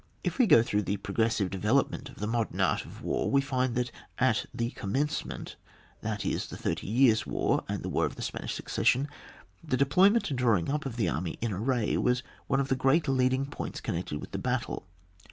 If we go through the progressive de velopment of the modem art of war, we find that at the commencement — that is the Thirty Years' War and the war of the Spanish Succession — the deployment and drawing up of the army in array, was one of the great leadmg points con nected with the battle.